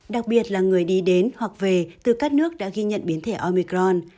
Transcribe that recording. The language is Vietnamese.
đặc biệt là người đi đến hoặc về từ các nước đã ghi nhận biến thể omicron